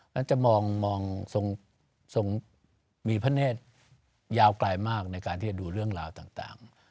และจะมองทรงมีพระเนธยาวไกลมากในการที่จะดูเรื่องราวต่าง